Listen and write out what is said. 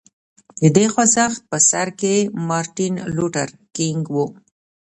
د دې خوځښت په سر کې مارټین لوټر کینګ و.